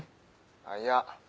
あっいや。